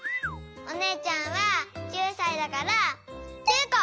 おねえちゃんは９さいだから９こ！